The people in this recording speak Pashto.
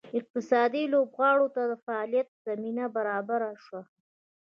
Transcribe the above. اقتصادي لوبغاړو ته د فعالیت زمینه برابره شوه.